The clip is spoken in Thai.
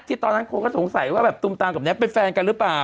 ตอนนั้นคนก็สงสัยว่าแบบตุมตามกับแท็กเป็นแฟนกันหรือเปล่า